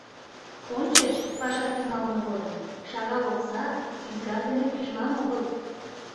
Ончыч, паша тӱҥалме годым, шагал окса, ӱзгар дене пижман огыл.